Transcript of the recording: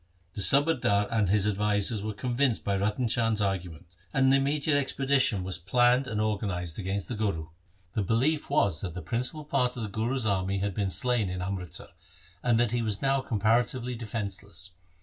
The subadar and his advisers were convinced by Ratan Chand's argu ments, and an immediate expedition was planned LIFE OF GURU HAR GOBIND 107 and organized against the Guru. The belief was that the principal part of the Guru's army had been slain at Amritsar, and that he was now compara tively defenceless.